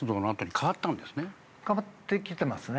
変わってきてますね。